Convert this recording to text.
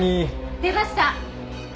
出ました！